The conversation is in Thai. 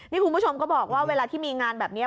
นี่คุณผู้ชมก็บอกว่าเวลาที่มีงานแบบนี้